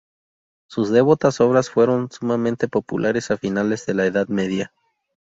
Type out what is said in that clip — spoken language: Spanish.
Sus devotas obras fueron sumamente populares a finales de la Edad Media.